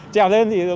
chèo lên thì